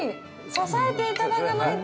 支えていただかないと。